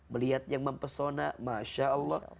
melihat yang mempesona masha'allah